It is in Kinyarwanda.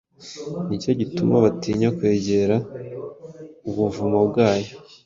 nicyo gituma batinya kwegera ubuvumo bwayo,